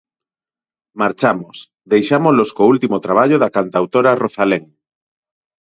Marchamos, deixámolos co último traballo da cantautora Rozalén.